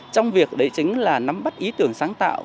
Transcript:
trong việc đấy chính là nắm bắt ý tưởng sáng tạo